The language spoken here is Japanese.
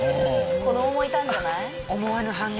子どももいたんじゃない？